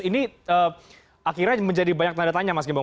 ini akhirnya menjadi banyak tanda tanya mas gembong